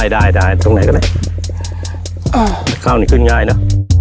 ได้ออกไหนก็ได้เข้าหนึ่งขึ้นง่ายนะ